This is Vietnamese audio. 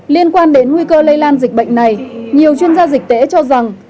liên quan đến nguy cơ lây lan dịch bệnh này nhiều chuyên gia dịch tễ cho rằng